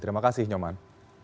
terima kasih nyoman